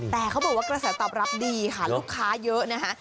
แต่เขาบอกว่ากระแสตอบรับดีค่ะลูกค้าเยอะนะคะ